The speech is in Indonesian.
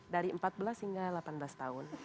dari empat belas hingga delapan belas tahun